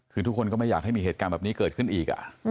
คือทุกคนก็ไม่อยากให้มีเหตุการณ์แบบนี้เกิดขึ้นอีก